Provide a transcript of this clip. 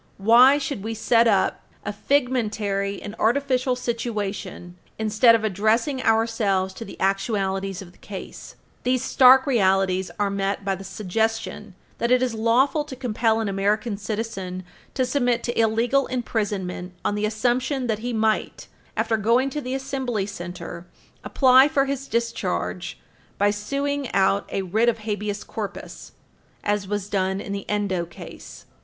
Why should we set up a figmentary and artificial situation, instead of addressing ourselves to the actualities of the case? Page 323 U. S. 233 These stark realities are met by the suggestion that it is lawful to compel an American citizen to submit to illegal imprisonment on the assumption that he might, after going to the Assembly Center, apply for his discharge by suing out a writ of habeas corpus, as was done in the Endo case, supra.